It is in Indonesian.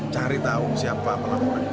cari tahu siapa pelaporan